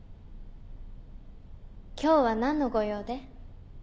今日は何のご用で？